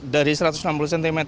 dari satu ratus enam puluh cm